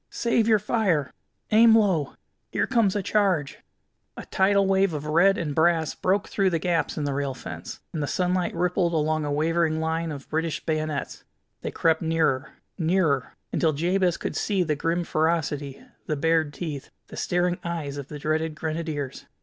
Save your fire! Aim low! Here comes a charge!" A tidal wave of red and brass broke through the gaps in the rail fence, and the sunlight rippled along a wavering line of British bayonets. They crept nearer, nearer, until Jabez could see the grim ferocity, the bared teeth, the staring eyes of the dreaded Grenadiers.